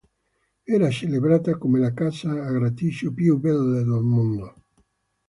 Era celebrata come la "casa a graticcio più bella del mondo".